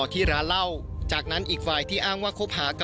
ช่วยเร่งจับตัวคนร้ายให้ได้โดยเร่ง